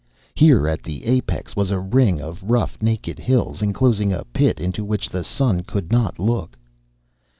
Here, at the apex, was a ring of rough naked hills enclosing a pit into which the sun could not look.